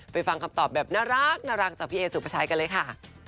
ฟังคำตอบแบบน่ารักจากพี่เอสุภาชัยกันเลยค่ะ